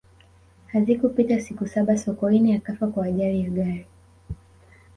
hazikupita siku saba sokoine akafa kwa ajali ya gari